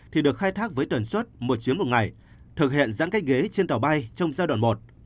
thì được khai thác với tuần suốt một chiến một ngày thực hiện giãn cách ghế trên tàu bay trong giai đoạn một